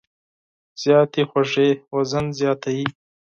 زیاتې خوږې وزن زیاتوي.